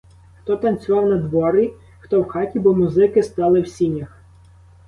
Хто танцював надворі, хто в хаті, бо музики стали в сінях.